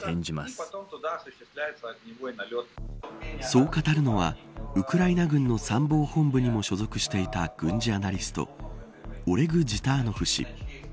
そう語るのは、ウクライナ軍の参謀本部にも所属していた軍事アナリストオレグ・ジターノフ氏。